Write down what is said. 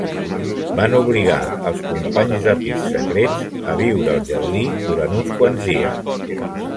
Van obligar els companys de pis secrets a viure al jardí durant uns quants dies.